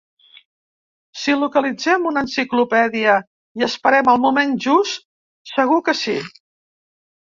Si localitzem una enciclopèdia i esperem el moment just, segur que sí.